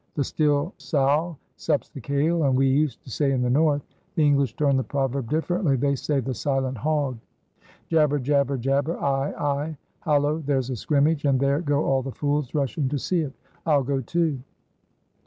'The still sow sups the kail,' as we used to say in the north; the English turn the proverb differently, they say 'The silent hog '" "Jabber! jabber! jabber! aie! aie!" "Hallo! there's a scrimmage! and there go all the fools rushing to see it. I'll go, too!"